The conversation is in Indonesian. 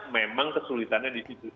memang kesulitannya di situ